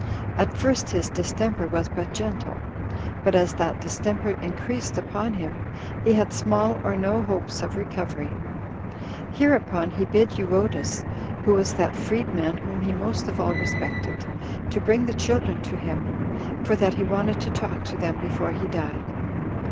At first his distemper was but gentle; but as that distemper increased upon him, he had small or no hopes of recovery. Hereupon he bid Euodus, who was that freed man whom he most of all respected, to bring the children 23 to him, for that he wanted to talk to them before he died.